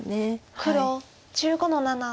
黒１５の七。